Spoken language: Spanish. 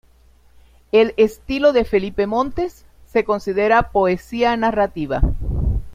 El estilo de Felipe Montes se considera poesía narrativa.